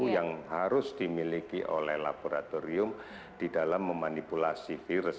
yang harus dimiliki oleh laboratorium di dalam memanipulasi virus